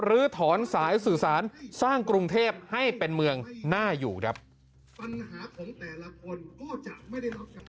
หรือถอนสายสื่อสารสร้างกรุงเทพให้เป็นเมืองน่าอยู่ครับปัญหาของแต่ละคนก็จะไม่ได้รับ